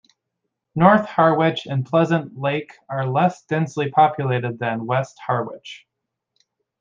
North Harwich and Pleasant Lake are less densely populated than West Harwich.